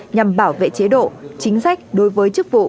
nhằm bảo vệ chế độ chính sách đối với chức vụ